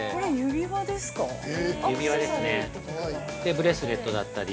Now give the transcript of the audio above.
◆ブレスレットだったり。